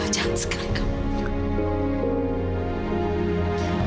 jangan sekali kamu